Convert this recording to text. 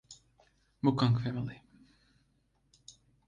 Mukang Family.